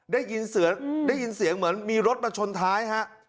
ได้ยินเสียงเหมือนมีรถมาชนท้าย